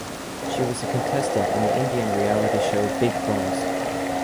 She was a contestant in the Indian reality show Bigg Boss.